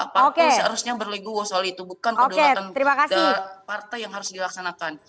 partai seharusnya berlegu bahwa soal itu bukan kedaulatan partai yang harus dilaksanakan